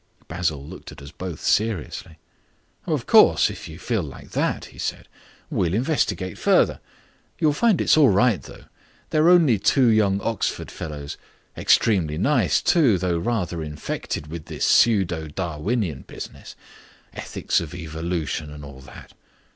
Basil Grant looked at us both seriously. "Of course if you feel like that," he said, "we'll investigate further. You'll find it's all right, though. They're only two young Oxford fellows. Extremely nice, too, though rather infected with this pseudo Darwinian business. Ethics of evolution and all that."